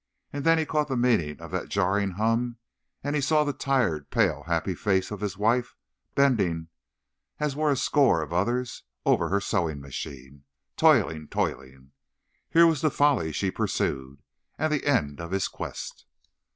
And then he caught the meaning of that jarring hum, and he saw the tired, pale, happy face of his wife, bending, as were a score of others, over her sewing machine—toiling, toiling. Here was the folly she pursued, and the end of his quest.